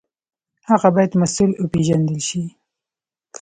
هغه باید مسوول وپېژندل شي.